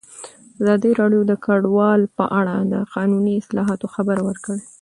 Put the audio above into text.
ازادي راډیو د کډوال په اړه د قانوني اصلاحاتو خبر ورکړی.